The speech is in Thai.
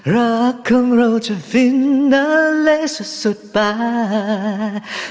รักของเราจะฟินนั่นเลยสุดสุดปาย